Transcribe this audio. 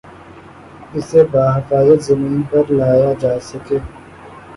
اسے بحفاظت زمین پر لایا جاسکے